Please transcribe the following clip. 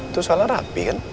itu soalnya rapi kan